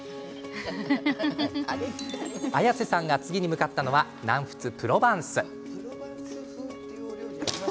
綾瀬さんが次に向かったのは南仏プロヴァンス。